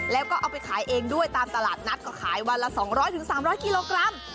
แล้วก็เอาไปขายเองด้วยตามตลาดนัดก็ขายวันละ๒๐๐๓๐๐กิโลกรัม